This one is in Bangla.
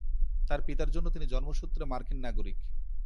তার পিতার জন্য তিনি জন্মসূত্রে মার্কিন নাগরিক।